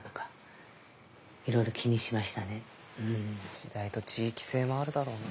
時代と地域性もあるだろうな。